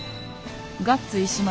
ガッツ石松